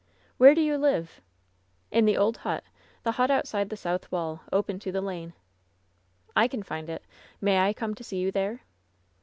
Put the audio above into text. "Where do you live?" "In the old hut — the hut outside the south wall, open to the lane." "I can find it. May I come to see you there